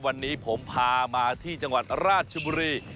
วันนี้ผมพามาที่จังหวัดราชบุรี